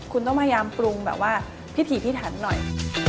คุณต้องพยายามปรุงแบบว่าพิถีพิถันหน่อย